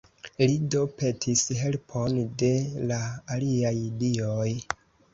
Li do petis helpon de la aliaj dioj.